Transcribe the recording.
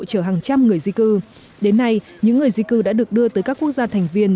chở hàng trăm người di cư đến nay những người di cư đã được đưa tới các quốc gia thành viên